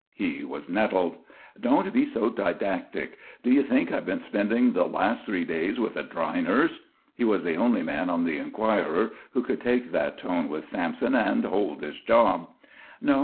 He was nettled. "Don't be so didactic. Do you think I've been spending the last three days with a dry nurse?" He was the only man on the Enquirer who could take that tone with Sampson and hold his job. "No.